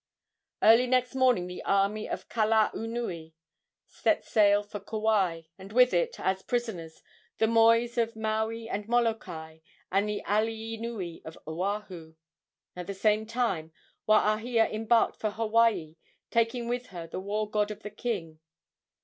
Early next morning the army of Kalaunui set sail for Kauai, and with it, as prisoners, the mois of Maui and Molokai and the alii nui of Oahu. At the same time Waahia embarked for Hawaii, taking with her the war god of the king.